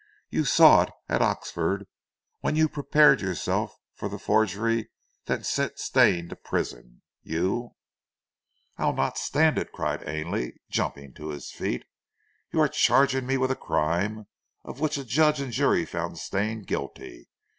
You saw it at Oxford when you prepared yourself for the forgery that sent Stane to prison. You " "I'll not stand it!" cried Ainley jumping to his feet. "You are charging me with a crime of which a judge and jury found Stane guilty.